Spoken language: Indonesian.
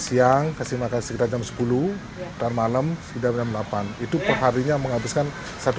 siang kasih makan sekitar jam sepuluh dan malam sudah jam delapan itu perharinya menghabiskan satu